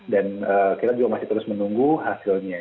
dan kita juga masih terus menunggu hasilnya